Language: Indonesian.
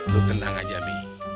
tuh tenang aja mi